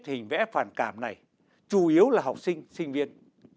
có thể nhận được hình vẽ phản cảm này chủ yếu là học sinh sinh viên